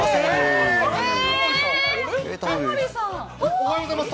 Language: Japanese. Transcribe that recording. おはようございます。